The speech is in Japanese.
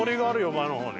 前の方に。